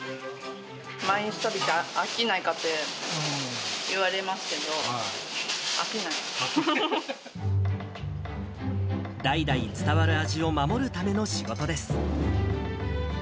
毎日食べて飽きないかって言われますけど、代々伝わる味を守るための仕事です。